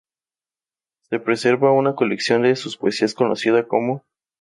Se preserva una colección de sus poesías conocida como